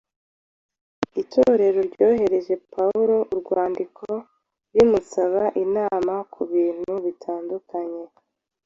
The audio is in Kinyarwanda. Itorero ryoherereje Pawulo urwandiko rimusaba inama ku bintu binyuranye